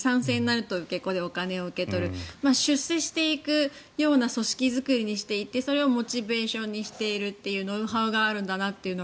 ３線になるとお金を受け取る出世していくような組織作りにしていてそれをモチベーションにしているノウハウがあるんだなと。